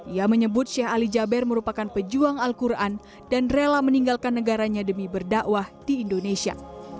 ia menyebut sheikh ali jaber merupakan pejuang al quran dan rela meninggalkan negaranya demi berdakwah di indonesia